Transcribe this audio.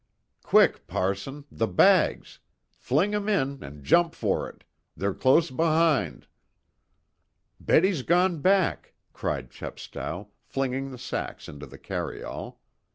"Quick, parson! The bags! fling 'em in, and jump for it! They're close behind!" "Betty's gone back," cried Chepstow, flinging the sacks into the carryall.